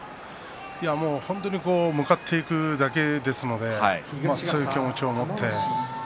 本当に、向かっていくだけですので強い気持ちを持って。